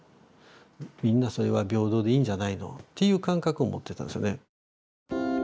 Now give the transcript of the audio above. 「みんなそれは平等でいいんじゃないの？」という感覚を持っていたんですよね。